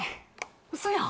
ウソやん。